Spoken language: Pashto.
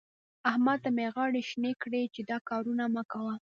احمد ته مې غاړې شينې کړې چې دا کارونه مه کوه.